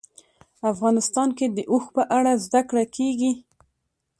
افغانستان کې د اوښ په اړه زده کړه کېږي.